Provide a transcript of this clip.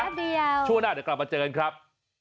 แป๊บเดียวนะช่วงหน้าเดี๋ยวกลับมาเจอกันครับ